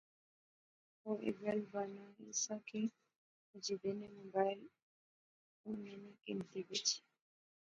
او ایہہ گل بانا ایہہ سا کہ مجیدے نےموبائل فونے نی گھنتی بجی